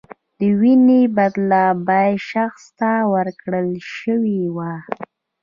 د وینې بدله باید شخص ته ورکړل شوې وای.